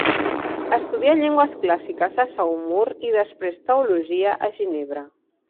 Estudià llengües clàssiques a Saumur i després teologia a Ginebra.